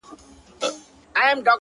• ورځي د وريځي يارانه مــاتـه كـړه؛